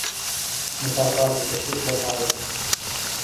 مکافات د تشویق لپاره دي